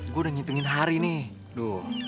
gue udah ngitungin hari nih duh